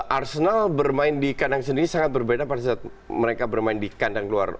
arsenal bermain di kandang sendiri sangat berbeda pada saat mereka bermain di kandang luar